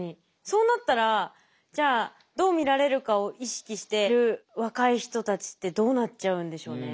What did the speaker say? そうなったらじゃあどう見られるかを意識してる若い人たちってどうなっちゃうんでしょうね。